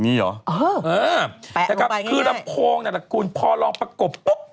มีหรอแปะลงไปง่ายคือลำโพงนะครับคุณพอลองประกบปุ๊บ